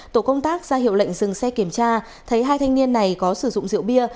tổ công tác ra hiệu lệnh dừng xe kiểm tra thấy hai thanh niên này có sử dụng rượu bia